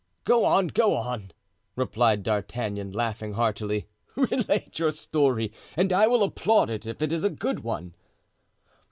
"Go on, go on," replied D'Artagnan, laughing heartily; "relate your story and I will applaud it if it is a good one."